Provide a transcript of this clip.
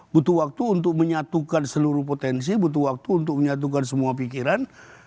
butuh waktu untuk menyatukan seluruh potensi butuh waktu untuk menyatukan semua pikiran